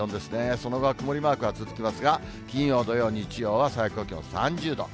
その後は曇りマークが続きますが、金曜、土曜、日曜は最高気温３０度。